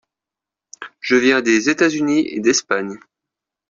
Je viens des États-Unis et d’Espagne.